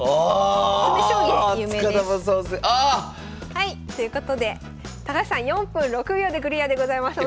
はい！ということで高橋さん４分６秒でクリアでございます。